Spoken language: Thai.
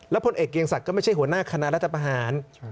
พลเอกเกียงศักดิ์ไม่ใช่หัวหน้าคณะรัฐประหาร